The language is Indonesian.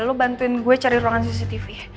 lu bantuin gue cari ruangan cctv